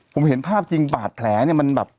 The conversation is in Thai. ผมเห็นภาพจริงบาดแผลเนี่ยมันแบบ